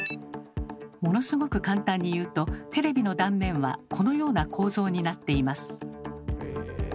ものすごく簡単に言うとテレビの断面はこのような構造になっています。